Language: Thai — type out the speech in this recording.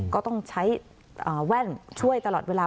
ก็ต้องใช้แว่นช่วยตลอดเวลา